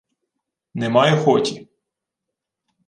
— Не маю хоті.